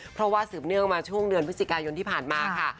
เพราะว่าสืบเนื่องมาช่วงเดือนพฤศจิกายนที่ผ่านมาค่ะ